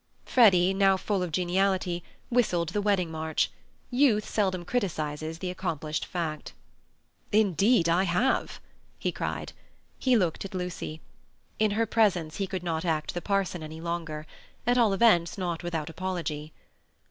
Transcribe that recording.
Freddy, now full of geniality, whistled the wedding march. Youth seldom criticizes the accomplished fact. "Indeed I have!" he cried. He looked at Lucy. In her presence he could not act the parson any longer—at all events not without apology.